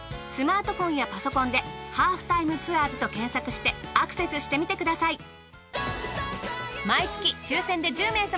スマートフォンやパソコンで『ハーフタイムツアーズ』と検索してアクセスしてみてください。